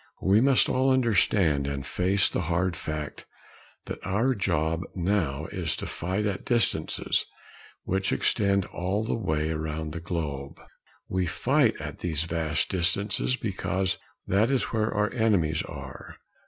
We must all understand and face the hard fact that our job now is to fight at distances which extend all the way around the globe. We fight at these vast distances because that is where our enemies are.